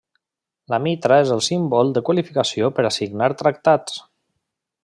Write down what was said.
La mitra és símbol de qualificació per a signar tractats.